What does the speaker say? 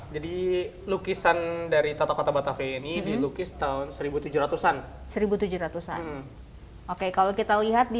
jadi lukisan dari tata kata batavia ini dilukis tahun seribu tujuh ratus an seribu tujuh ratus an oke kalau kita lihat di